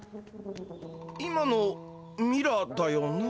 今のミラだよな？